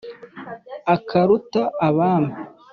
Akaruta Abami